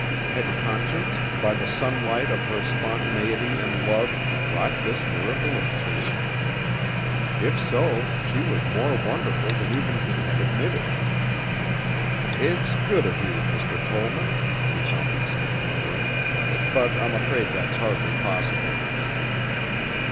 Had Conscience, by the sunlight of her spontaneity and love wrought this miracle of change? If so she was more wonderful than even he had admitted. "It's good of you, Mr. Tollman," he found himself murmuring, "but I'm afraid that's hardly possible."